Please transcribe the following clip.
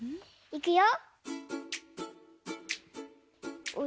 いくよ。